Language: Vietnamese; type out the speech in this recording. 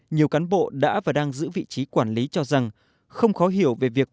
nhiều cán bộ đã và đang giữ vị trí quản lý cho rằng không khó hiểu về việc